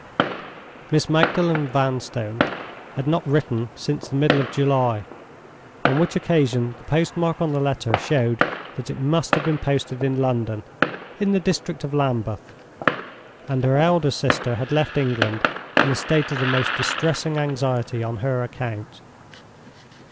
Miss Magdalen Vanstone had not written since the middle of July—on which occasion the postmark on the letter showed that it must have been posted in London, in the district of Lambeth—and her elder sister had left England in a state of the most distressing anxiety on her account.